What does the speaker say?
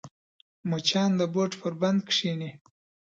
مچان د بوټ پر بند کښېني